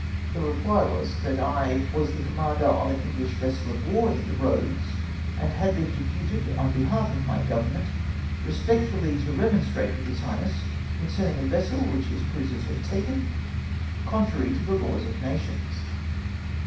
The reply was that "I was the commander of an Enghsli vessel of war in the roads, and had been deputed, on behalf of my government, respectfully to remonstrate with his highness concerning a vessel wdiich his cruisers had taken contrary to the laws of nations."